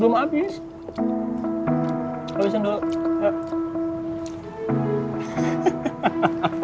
lo abisin dulu